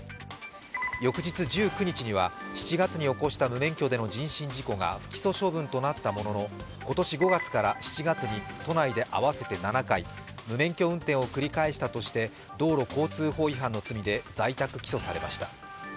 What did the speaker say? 翌日１９日には７月の起こした無免許での事故が不起訴処分になったものの今年５月から７月に都内で合わせて７回、無免許運転を繰り返したとして道路交通違反として在宅起訴されました。